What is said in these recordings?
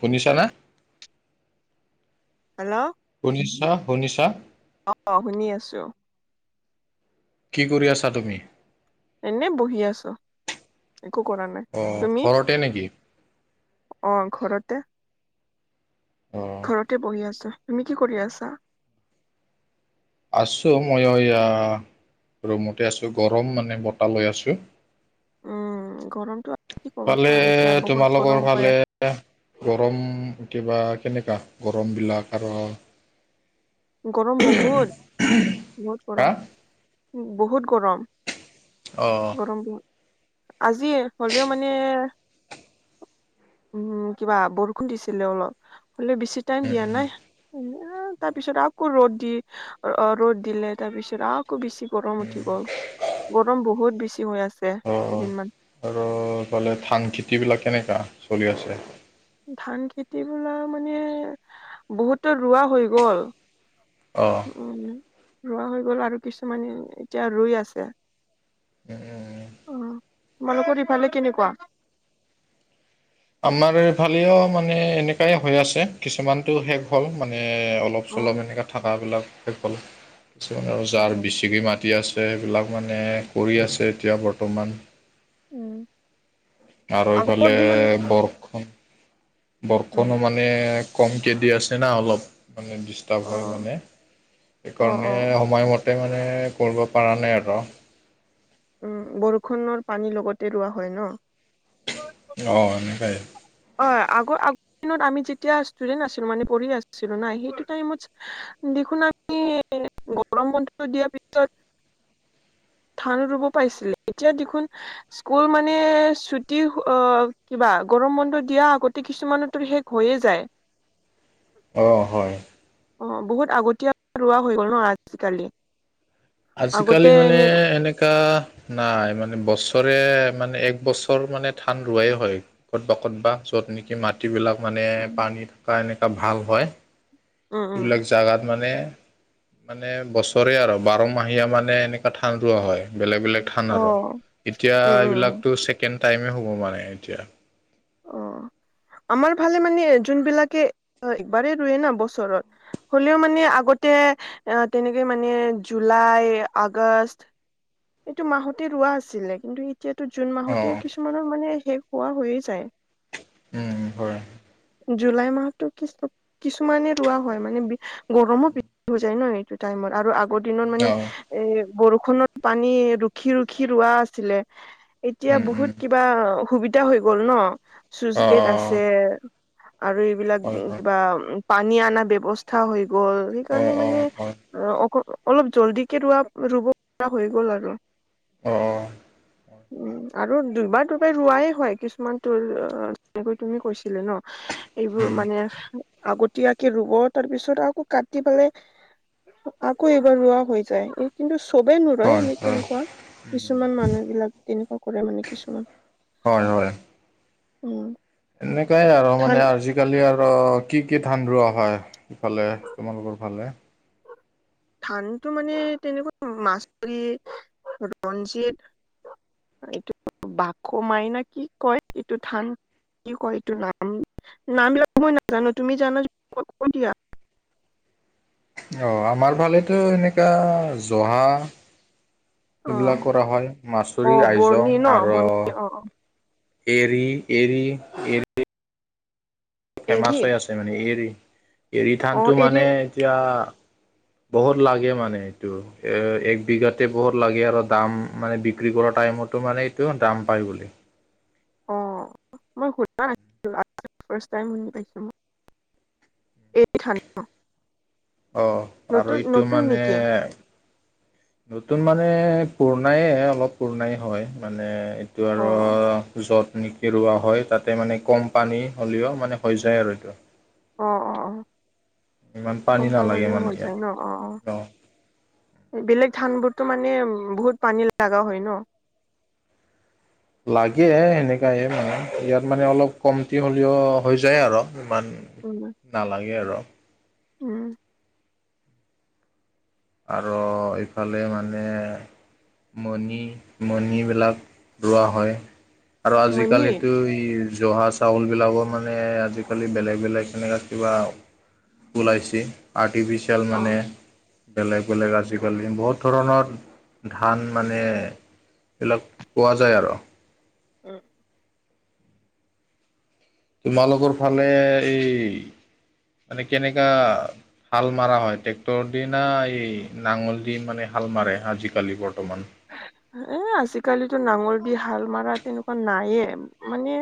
শুনিছ না। হেল্ল', শুনিছা শুনিছা। অ শুনি আছো। কি কৰি আছা তুমি। এনে বহি আছো একো কৰা নাই অ' তুমি। ঘৰতে নেকি অ ঘৰতে অ' ঘৰতে বহি আছো তুমি কি কৰি আছা। আছোঁ মইয়ো এয়া ৰুমতে আছোঁ গৰম মানে বতাহ লৈ আছোঁ। উম গৰমতটো কি ক'ব ন এতিয়া বহুত গৰম হৈ আছে। এ গৰম কিবা কেনেকুৱা গৰম বিলাক আৰু [inaudible] গৰম বহুত বহুত হা গৰম বহুত গৰম। অ' গৰম বহু আজি হলেও মানে। উম কিবা বৰষুণ দিছিলে অলপ হ'লে বেছি। টাইম দিয়া নাই এ তাৰ পিছত আৰু আকৌ ৰ'দ দি ৰ'দ দিলে তাৰপিছত আ, বেছি গৰম উঠি গ'ল গৰম বহুত বেছি হৈ আছে। অ কেইদিনমান আৰু এইফালে ধান খেতি বিলাক কেনেকা চলি আছে। ধান খেতি বিলাক মানে বহুতো ৰোৱা হৈ গ'ল। অ। উ ৰুৱা হৈ গ'ল আৰু কিছুমান এতিয়া ৰুই আছে। উম। অ তোমালোকৰ ইফালে কেনেকুৱা। আমাৰ এইফালেও মানে এনেকাই হৈ আছে কিছুমানতটো শেষ হ'ল। মানে অলপ অ চলপ এনেকাে থকাবলাক শেষে কিছুমানে আৰু জাৰ বেচিকি ম [unintelligible] আছে সেইবিলাক মানে কৰি আছে এতিয়া বৰ্তমান। আৰু আগৰ এইফালে দিনত বৰষুণ উম। বৰষুণো মানে কমকে দি আছে না অলপ। মানে ডিষ্টাব হয় অ', মানে অ', সেইকাৰণে অ'। সময়ম তে মানে কৰিব পৰা নাই আৰ উম বৰষুণৰ পানী লগতে ৰোৱা হয় ন। অ এনেকাই। অ আগ আগৰ দিনত আমি যেতিয়া ষ্টুডেন্টছ আছিলো মানে পঢ়ি আছিলো না সেইটো টাইমত। দেখোন আমি গৰম বন্ধু দিয়াৰ পিছত। থান ৰুব পাইছিলে এতিয়া দেখোন। স্কুল মানে ছুটি অ কিবা গৰম বন্ধত। দিয়া আগতে কিছুমানৰত শেষ হৈয়ে যায়। অ হয়। অ বহুত আগতীয়া ৰোৱা হৈ গ'ল ন আজিকালি। আজিকালি আগতে মানে এনে এনেকা। নাই মানে বছৰে মানে এক বছৰ মানে ধান ৰোৱাই হয়। ক'ত বা ক'ত বা য'ত নেকি মাট। টি বিলাক মানে উম পানী থকা এনেকুৱা ভাল হয় উম উম সেইবিলাক। জাগাত মানে মানে বছৰে আৰ বাৰমাহীয়া মানে এনেকুৱা ঠান ৰোৱা হয়। বেলেগ বেলেগ থান অ আৰু এতিয়া উম উম উম এইবিলাকো ছেকেণ্ড টাইমে হ'ব মানে এতিয়া। । অ [inaudible] আমাৰ ফালে মানে যোনবিলাকে একবাৰেই ৰুয়ে না বছৰত। হ'লেও মানে আগতে অ তেনেকে মানে জুলাই আগষ। এইটো মাহতে ৰোৱা আছিলে কিন্তু এতিয়াতো জুন মাহতে অঁ কিছুমানৰ মানে শেষ হোৱা হৈয়ে যায়। উম উম হয়। জুলাই মাহটো কিছু কিছুমানে ৰোৱা হয় মানে গৰমো বেছি হৈ যায় ন এইটো টাইমত আৰু আগ। ৰ দিনত মানে অঁ এ বৰষুণৰ পানী ৰুখি ৰুখি ৰোৱা আছিলে এতিয়া উম উম বহুত কিবা সুবিধা হৈ গ'ল ন চুইচ গেট অঁ আছে আৰু এইবিলাক অঁ হয় হয় কিবা পানী অনাৰ ব্যৱস্তা হৈ গ'ল অঁ সেইকাৰণে অঁ মানে। হয় অ অ অলপ জল্দিকে ৰোৱা ৰুব পৰা হৈ গ'ল আৰু। অ অ উম আৰু দুবাৰ দুবাৰ ৰোৱাই হয় কিছুমান। তোৰ তেনেকৈ তুমি কৈছিলা ন এইবোৰ মানে। আগতীয়াকে ৰুব তাৰ পিছত আকৌ কাটি পেলাই। আকৌ এবাৰ ৰোৱা হৈ যায় কিন্তু চবেই নোৱৰই হয় এনে তেনেকুৱা কিছুমান মানুহ বিলাক তেনেকুৱা কৰে মানে কিছুমান হয় হয় অ এনেকাই আৰ মানে আজি কালি আৰু কি কি ধান ৰোৱা হয় ইফালে তোমালোকৰ ফালে ধানটো মানে তেনেকুৱা মাছোৰি, ৰঞ্জিত এইটো বাঘ মাৰি নে কি কয় এইটো ঠান কি কয় এইটো নাম নাম বিলাক মই নাজানো তুমি জানা যদি কৈ দিয়া অ আমাৰ ফালেতো এনেকা জহা অ এইবিলাক কৰা হয় অ মাচৰি, বৰ্ণি আইজং ন আৰ বৰ্ণি অ অ এৰি এৰি এৰি ফেমাচ হৈ আছে মানে এৰী, এৰী অ ধানটো এৰি মানে এতিয়া বহুত লাগে মানে এইটো এ এক বিঘাতে বহুত লাগে আৰু দাম মানে বিক্ৰী কৰা টাইমত টো মানে এইটো দাম পাই বুলি অ মই শুনা নাছিলোঁ আজি ফাষ্ট টাইম শুনা পাইছো ম এই ধান ন, অ আৰু এইটো নতুন মানে। নেকি? নতুন মানে পুৰণায়ে অলপ পুৰণাই হয় মানে। সেইটো অ আৰু যতনি। কেৰুৱা হয় তাতে মানে কম পানী হ'লেও মানে হৈ যায় আৰু এইটো। অ অ অ ইমান কম পানী নালাগে হলেও মানে হৈ ইয়াত যায় ন অ অ, অঁ বেলেগ ধান বোৰতো মানে বহুত পানী লগা হয় ন। লাগে সেনেকাই মানে ইয়াত মানে অলপ কমতি হ'লেও হৈ যায় আৰু ইমান। উম নালাগে আৰু উম আৰু এইফালে মানে, মণি মণিবিলাক ৰোৱা হয় আৰু আজি মণি কালিতো, জহা চাউলবিলাকৰ মানে আজিকালি বেলেগ বেলেগ তেনেকুৱা কিবা। ওলাইছে আৰ্টিফিচিয়েল অ মানে। বেলেগ বেলেগ আজিকালি বহুত ধৰণৰ ধান মানে, এইবিলাক পোৱা যায় আৰু উম, তোমালোকৰ ফালে এই মানে কেনেকা, হাল মৰা হয় ট্ৰেক্টৰ দি না এই নাঙল দি মানে হাল মাৰে আজিকালি বৰ্তমান, এ আজিকালিতো নাঙল দি হাল মৰা তেনেকুৱা নায়ে। মানে।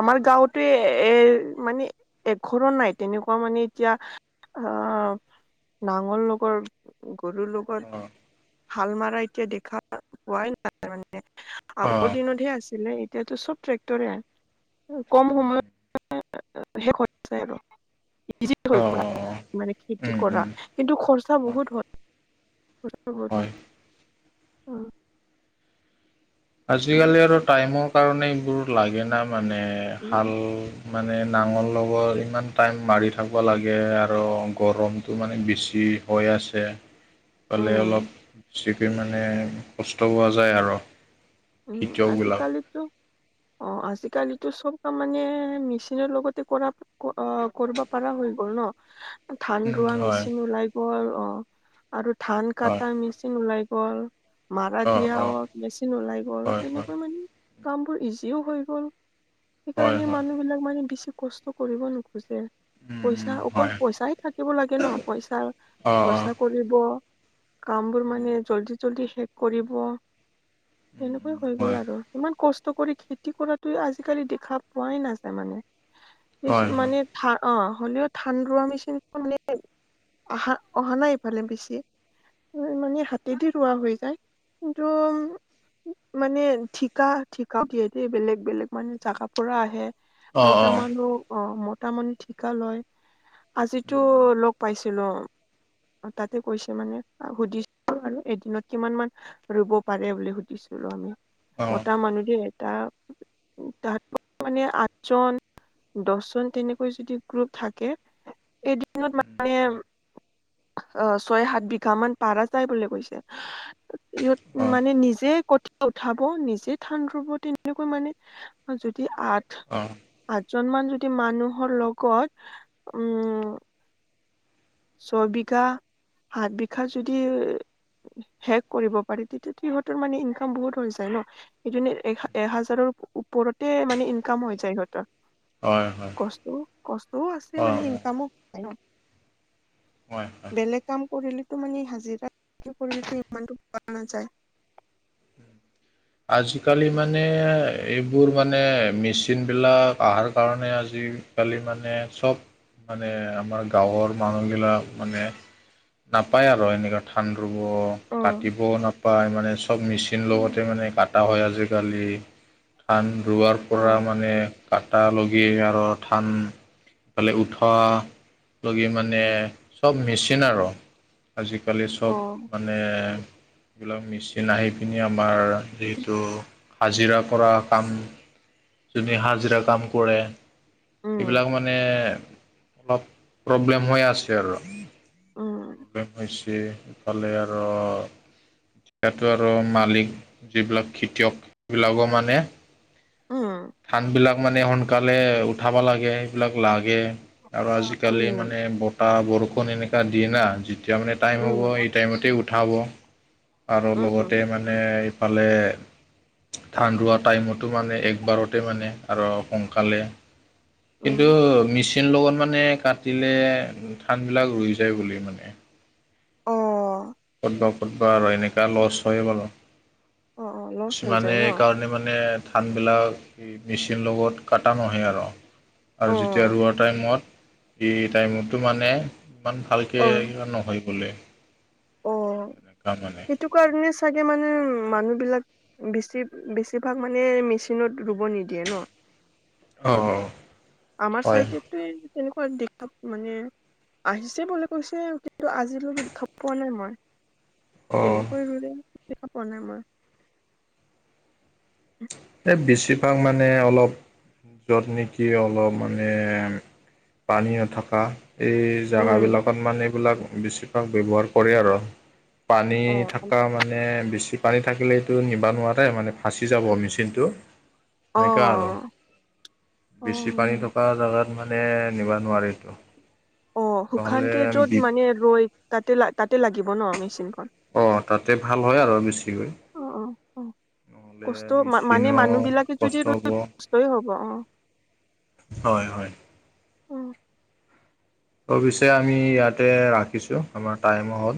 আমাৰ গাঁৱতে এৰ মানে এঘৰো নাই তেনেকুৱা মানে এতিয়া। আহ নাঙল লগৰ গৰুৰ অ লগত, হাল মৰা এতিয়া দেখা পোৱাই নাই মানে অ আগৰ দিনতহে আছিলে। এতিয়াতো চব ট্ৰেক্টৰে আৰু কম সময়ত শেষ হৈ যায় আৰু অ অ [unintelligible] হৈ মানে খেতি উম কৰা উম কিন্তু খৰচা বহুত হয়। বৰ ভাল। হয় অ, আজিকালি আৰু উম টাইমৰ কাৰণে এইবোৰ লাগে না মানে ভাল। মানে নাঙল লগ'ব ইমান টাইম মাৰি থাকিব লাগে আৰু গৰমটো মানে বেছি। হৈ আছে পালে উম অলপ বেচিপি মানে কষ্ট পোৱা যায় আৰু উম আজি খেতিয়কবিলাক কালিটো। [inaudible] অ আজিকালিতো চব কাম মানে মেচিনৰ লগতে কৰা। অ কৰিব পাৰা হৈ গ'ল ন। ধান উম, ৰোৱা হয় মেচিন ওলাই গ'ল অ আৰু ধান হয় কটা মেচিন ওলাই গ'ল। মাৰা অঁ দিয়া অঁ অ মেচিন ওলাই গ'ল হয় হয় তেনেকৈ মানে কামবোৰ ইজিও হৈ গ'ল। হয় সেইকাৰণে হয় মানুহবিলাক মানে বেছি কষ্ট কৰিব নোখোজে। উম, পইচা উম, অকল হয় পইচাই থাকিব লাগে ন পইচা অঁ অঁ খৰচা কৰিব। কাম বোৰ মানে জলদি জলদি শেষ কৰিব। তেনেকুৱাই হৈ গ'ল হয় আৰু ইমান কষ্ট কৰি খেতি কৰাতটো আজিকালি দেখা পোৱাই নাযায় মানে। কিছু হয় হয় মানো অ হ'লেও ধান ৰুৱা মেচিন মানে। অহা অহা নাই ইফালে বেছি। মানে হাতেদি ৰুৱা হৈ যায় কিন্তু। মানে ঠিকা ঠিকা যিহতে বেলেগ বেলেগ মানে জাগাপৰা আহে। অঁ মতা অঁ মানুহ অ মতা মানুহ ঠিকা লয় আজিতো লগত, পাইছো ন। তাতে কৈছে মানে সুধিছো আৰু এদিনত কিমান মান ৰুব পাৰে বুলি সুধিছে। দিছিলো আমি অঁ মতা মানুহ দেই। [unintelligible] তাহত মানে আঠজন। দহ জন তেনেকৈ যদি গ্ৰুপ থাকে এদিন। ত মানে আহ ছয় সাত বিঘা মান পাৰা যায় বুলি কৈছে। ইয়ত মানে নিজে। কঠীয়া উঠাব নিজে ধান ৰুব তেনেকৈ মানে যদি আঠ। অ'। আঠজন মান যদি মানুহৰ লগত উম। ছয় বিঘা সাত বিঘা যদি শেষ কৰিব পাৰি তেতিয়াতো সিহঁতৰ মানে ইনকাম বহুত হৈ যায় ন। সেইটো এ এহাজাৰৰ ওপৰতে মানে ইনকাম হৈ যায় সিহঁতৰ। অঁ হয় অ', অ', হয় কষ্ট কষ্টও আছে অঁ মানে ইনকামো পায় ন। হয়। হয় বেলেগ কাম কৰিলেতো মানে হাজিৰা কৰিলেতো ইমানতো পোৱা নাযায়। আজিকালি মানে এইবোৰ মানে মেচিনবিলাক অহাৰ কাৰণে আজি আজিকালি মানে চব মানে আমাৰ গাঁৱৰ মানুহবিলাক মানে নাপায় আৰু এনেকুৱা ধান ৰুব উম কাটিবও নাপায় মানে চব মেচিন লগতে মানে। কটা হয় আজিকালি ধান ৰোৱাৰ অ পৰা মানে। কাটা লগি আৰু ধান। ইফালে উঠোৱা লগি মানে চব মেচিন আৰু। আজিকালি চব অ', মানে এইবিলাক মেচিন আহি পিনি আমাৰ যিহেতু হাজিৰা কৰা কাম। যোনে হাজিৰা কাম কৰে উম এইবিলাক মানে অলপ প্ৰব্লেম হৈ আছে আৰু। উ'ম। প্ৰথম হৈছে ইফালে আৰু এতিয়া আৰু মালিক যিবিলাক খেতিয়ক সেইবিলাকো মানে অ' ধান বিলাক মানে সোনকালে উঠাব লাগে সেইবিলাক লাগে। আৰু উম আজিকালি মানে বতাহ বৰষুণ এনেকুৱা দিয়ে না যি তিয়া মানে টাইম হ'ব উম এই টাইমতে উঠাব, আৰু লগতে উম মানে এইফালে ধান ৰুৱাৰ টাইমটো মানে এক- বাৰতে মানে আৰু সোনকালে কিন্তু উম মিচ মিচিন লগত মানে কাটিলে ধানবিলাক ৰৈ যায় বুলি মানে। অ', ক'তবা ক'তবা আৰু এনেকুৱা ল'ছ হয়ে বাৰু। অ অ লছ হৈ কিছুমানে যায় ন কাৰণে মানে ধানবিলাক মেচিন লগত কাটা নহয় আৰু। অ আৰু যেতিয়া ৰোৱা টাইমত, এই টাইমতো মানে ইমান ভালকে অ কিবা নহয় বোলে, অ তেনেকুৱা মানে। সেইটো কাৰণে চাগে মানে মানুহ বিলাক বেছি বেছিভাগ মানে মেচিনত ৰুব নিদিয়ে ন। অ', অ' আমাৰ চাইডেতো তেনেকুৱা মানে। আহিছে বুলি কৈছে কিন্তু আজিলৈকে দেখা পোৱা নাই মই। অ কেনেকৈ ৰুলে দেখা পোৱা নাই মই। এই বেছিভাগ মানে অলপ য'ত নেকি অলপ মানে পানী নথকা এই উম জাগাবিলাকত মানে এইবিলাক বেছিভাগ ব্যৱহাৰ কৰে আৰু। পানী অ থাকা মানে বেছি পানী থাকিলেওটো নিবা নোৱাৰে মানে ফাঁচি যাব মেচিনটো। টো অ সেনেকা আৰু অ বেছি পানী কা জেগাত মানে নিব নোৱাৰিলো অ শুকানকে য'ত মানে ৰৈ তাতে ল তাতে লাগিব ন মেচিনখন। অ তাতে ভাল হয় আৰু বেছিকৈ। অ অ অ নহ'লে কষ্ট মেচিন মানে মানুহ বিলাকে যদি কষ্ট হ'ব। ৰুই কষ্টই হ'ব অ হয় হয়। উম অ পিছে আমি ইয়াতে ৰাখিছোঁ আমাৰ টাইমো হ'ল।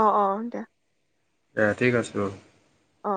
অ অ দিয়া। এ ঠিক আছে বাৰু। অ